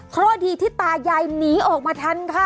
เพราะดีที่ตายายหนีออกมาทันค่ะ